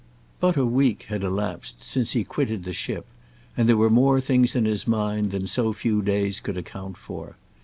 But a week had elapsed since he quitted the ship, and there were more things in his mind than so few days could account for.